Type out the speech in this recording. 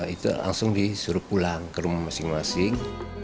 itu langsung disuruh pulang ke rumah masing masing